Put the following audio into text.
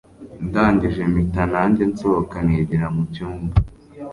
ndangije mpita nanjye nsohoka nigira mucyumba